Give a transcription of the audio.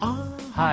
はい。